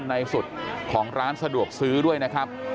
แต่ว่าวินนิสัยดุเสียงดังอะไรเป็นเรื่องปกติอยู่แล้วครับ